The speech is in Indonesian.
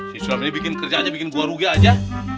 si sulam ini bikin kerja aja bikin gue rugi aja